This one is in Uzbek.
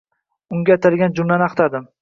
Unga atalgan jumlalarni axtardim.